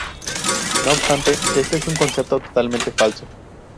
No obstante, este es un concepto totalmente falso.